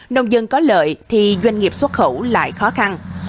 nông dân có lợi thì doanh nghiệp xuất khẩu lại khó khăn